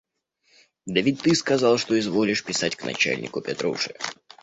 – Да ведь ты сказал, что изволишь писать к начальнику Петруши.